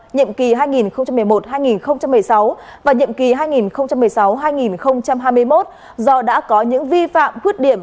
nhiệm kỳ hai nghìn một mươi một hai nghìn một mươi sáu và nhiệm kỳ hai nghìn một mươi sáu hai nghìn hai mươi một do đã có những vi phạm khuyết điểm